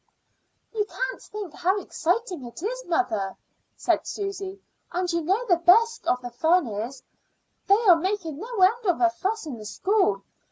"You can't think how exciting it is, mother," said Susy. "And you know the best of the fun is, they are making no end of a fuss in the school.